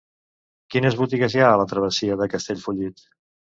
Quines botigues hi ha a la travessia de Castellfollit?